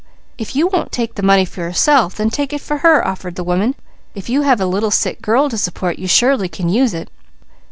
"If you won't take the money for yourself, then take it for her," offered the woman. "If you have a little sick girl to support, you surely can use it."